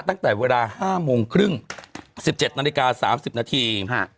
ตั้งแต่เวลา๕โมงครึ่ง๑๗นาฬิกา๓๐นาที